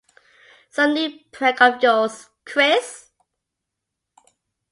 Some new prank of yours, Chris?